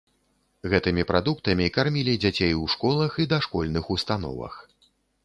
Гэтымі прадуктамі кармілі дзяцей у школах і дашкольных установах.